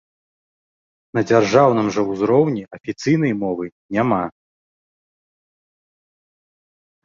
На дзяржаўным жа ўзроўні афіцыйнай мовы няма.